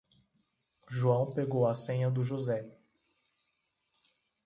João pegou a senha do José.